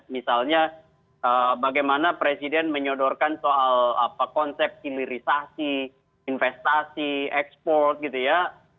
misalnya bagaimana presiden menyodorkan soal konsep hilirisasi investasi ekspor gitu ya